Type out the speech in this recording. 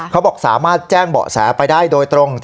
เขาบอกสามารถแจ้งเบาะแสไปได้โดยตรง